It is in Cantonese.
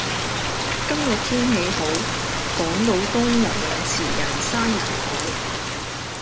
今日天氣好，港島東游泳池人山人海。